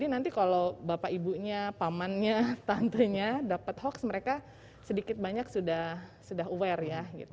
nanti kalau bapak ibunya pamannya tantenya dapat hoax mereka sedikit banyak sudah aware ya